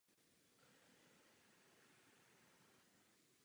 Stavba využila zbytky zdí pevnosti.